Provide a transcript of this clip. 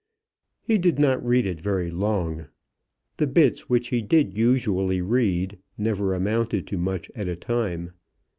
He did not read it very long. The bits which he did usually read never amounted to much at a time.